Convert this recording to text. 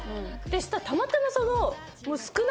したらたまたまその。